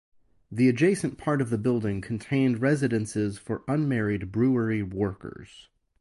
The adjacent part of the building contained residences for unmarried brewery workers.